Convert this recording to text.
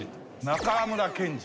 中村賢治。